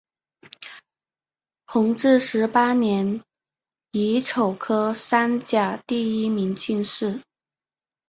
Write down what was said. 弘治十八年乙丑科三甲第一名进士。